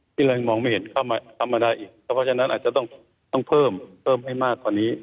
ที่เรายังมองไม่เห็นเข้ามาธรรมดาอีกเพราะฉะนั้นอาจจะต้องเพิ่มเพิ่มให้มากกว่านี้